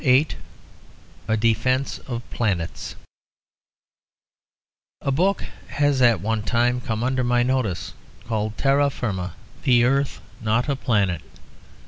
A DEFENCE OF PLANETS A book has at one time come under my notice called 'Terra Firma: the Earth not a Planet.'